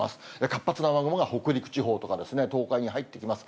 活発な雨雲が北陸地方とか、東海に入ってきます。